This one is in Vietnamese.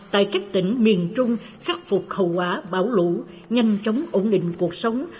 tại các tỉnh miền trung khắc phục hậu quả bão lũ nhanh chóng ổn định cuộc sống